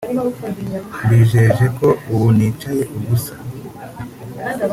mbijeje ko ubu nticaye ubusa